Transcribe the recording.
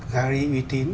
gallery uy tín